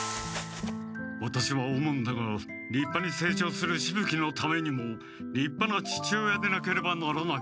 ワタシは思うんだがりっぱにせい長するしぶ鬼のためにもりっぱな父親でなければならない！